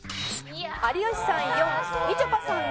有吉さん４みちょぱさん